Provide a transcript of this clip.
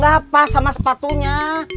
gak pas sama sepatunya